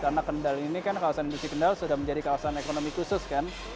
karena kendal ini kan kawasan industri kendal sudah menjadi kawasan ekonomi khusus kan